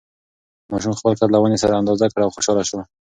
ماشوم خپل قد له ونې سره اندازه کړ او خوشحاله شو.